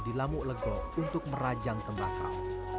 di lamuk legok untuk merajang tembakau